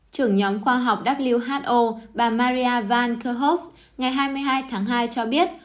trưởng nhóm khoa học who bà maria van kerhov ngày hai mươi hai tháng hai cho biết